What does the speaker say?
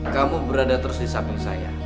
kamu berada terus di samping saya